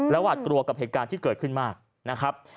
หวาดกลัวกับเหตุการณ์ที่เกิดขึ้นมากนะครับ